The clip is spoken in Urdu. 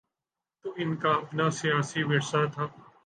تو ان کا اپنا سیاسی ورثہ تھا۔